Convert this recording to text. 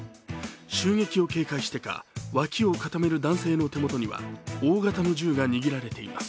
襲撃を警戒してか脇を固める男性の手元には大型の銃が握られています。